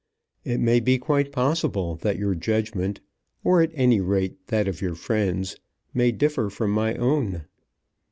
It may be quite possible that your judgment, or, at any rate, that of your friends, may differ from my own.